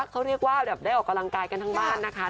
เขาเรียกว่าแบบได้ออกกำลังกายกันทั้งบ้านนะคะ